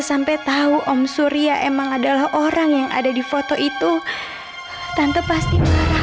sampai tahu om surya emang adalah orang yang ada di foto itu tante pasti marah